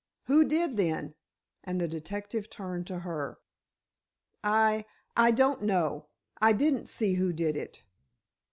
"Who did then?" and the detective turned to her. "I—I don't know. I didn't see who did it."